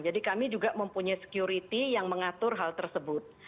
jadi kami juga mempunyai security yang mengatur hal tersebut